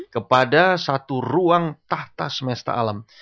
kepada satu ruang tahta semesta alam